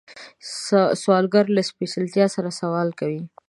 سوالګر له سپېڅلتیا سره سوال کوي